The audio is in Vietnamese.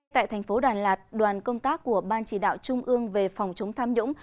tại thành phố đà lạt đoàn công tác của ban chỉ đạo trung ương về phòng chống tham nhũng